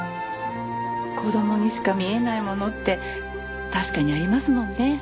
子供にしか見えないものって確かにありますもんね。